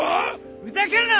ふざけるな！